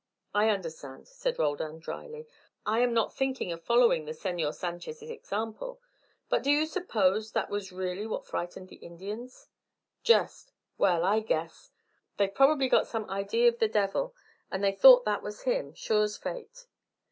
"I understand," said Roldan, drily. "I am not thinking of following the Senor Sanchez' example. But do you suppose that was really what frightened the Indians?" "Just. Well, I guess! They've probably got some idee of the devil, and they thought that was him, sure 's fate."